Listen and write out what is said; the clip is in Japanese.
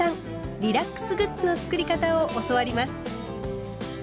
リラックスグッズの作り方を教わります。